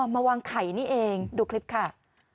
มาวางไข่นี่เองดูคลิปค่ะ